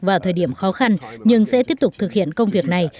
vào thời điểm khó khăn nhưng sẽ tiếp tục thực hiện công việc này